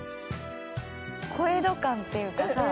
小江戸感っていうか。